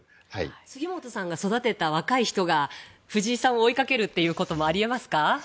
杉本さんが育てた若い人が藤井さんを追いかけることもあり得ますか？